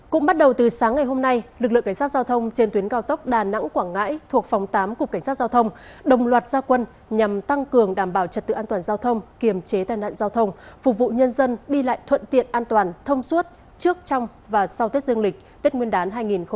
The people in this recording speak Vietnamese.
cũng bắt đầu từ sáng ngày hôm nay lực lượng cảnh sát giao thông trên tuyến cao tốc đà nẵng quảng ngãi thuộc phòng tám cục cảnh sát giao thông đồng loạt gia quân nhằm tăng cường đảm bảo trật tự an toàn giao thông kiềm chế tai nạn giao thông phục vụ nhân dân đi lại thuận tiện an toàn thông suốt trước trong và sau tết dương lịch tết nguyên đán hai nghìn hai mươi